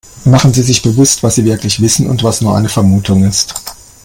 Machen Sie sich bewusst, was sie wirklich wissen und was nur eine Vermutung ist.